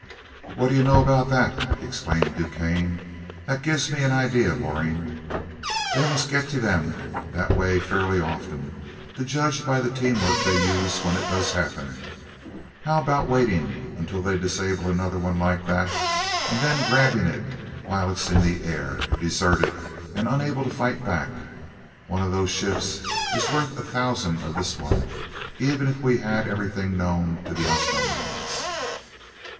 "What do you know about that!" exclaimed DuQuesne. "That gives me an idea, Loring. They must get to them that way fairly often, to judge by the teamwork they use when it does happen. How about waiting until they disable another one like that, and then grabbing it while its in the air, deserted and unable to fight back? One of those ships is worth a thousand of this one, even if we had everything known to the Osnomians."